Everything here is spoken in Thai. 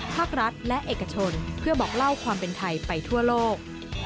ภาครัฐและเอกชนเพื่อบอกเล่าความเป็นไทยไปทั่วโลก